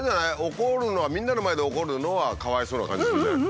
怒るのはみんなの前で怒るのはかわいそうな感じするじゃない。